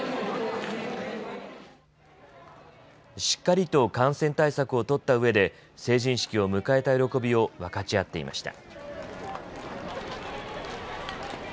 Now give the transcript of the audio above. しっかりと感染対策を取ったうえで成人式を迎えた喜びを分かち合っていました。